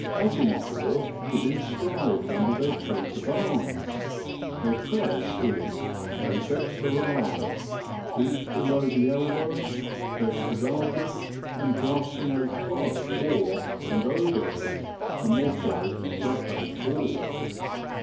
"Agincourt" is inscribed under their coat of arms; their crest is "a dexter arm couped below the elbow, vested argent, and grasping a club or, and over it the motto Frappe fort."